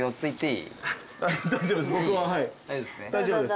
大丈夫です